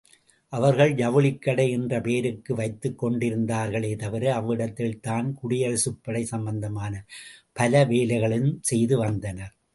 அவர்கள்.ஜவுளிக்கடை என்று பெயருக்கு வைத்துக் கொண்டிருந்தார்களே தவிர அவ்விடத்தில்தான் குடியரசுப்படை சம்பந்தமான பல வேலைகளும் செய்து வந்தனர்.